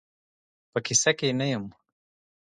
په کیسه کې یې نه یم.